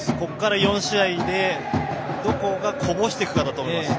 ４試合でどこがこぼしていくかだと思います。